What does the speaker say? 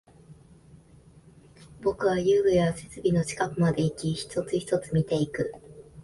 僕は遊具や設備の近くまでいき、一つ、一つ見ていく